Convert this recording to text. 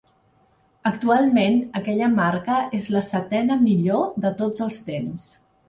Actualment, aquella marca és la setena millor de tots els temps.